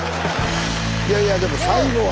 いやいやでも最後は。